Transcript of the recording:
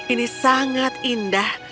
ini sangat indah